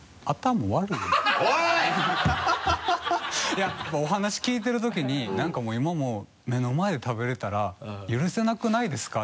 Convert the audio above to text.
いやお話聞いてるときになんか今も「目の前で食べられたら許せなくないですか」